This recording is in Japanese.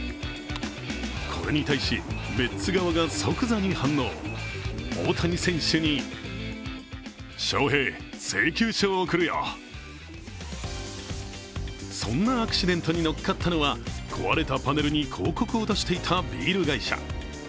これに対し、メッツ側が即座に反応大谷選手にそんなアクシデントに乗っかったのは壊れたパネルに広告を出していたビール会社。